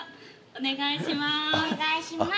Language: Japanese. お願いします